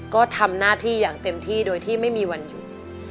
ก็ทำหน้าที่อย่างเต็มที่โดยที่ไม่มีวันหยุด